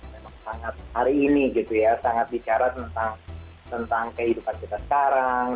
memang sangat hari ini gitu ya sangat bicara tentang kehidupan kita sekarang